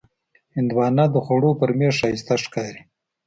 هندوانه د خوړو پر میز ښایسته ښکاري.